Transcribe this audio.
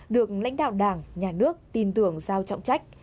được lãnh đạo đảng nhà nước tin tưởng giao trọng trách